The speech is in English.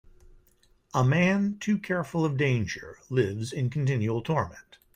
A man too careful of danger lives in continual torment.